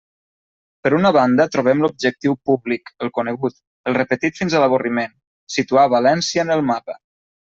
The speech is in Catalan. Per una banda, trobem l'objectiu públic, el conegut, el repetit fins a l'avorriment: situar València en el mapa.